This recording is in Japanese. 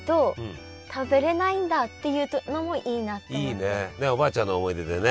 いいねおばあちゃんの思い出でね。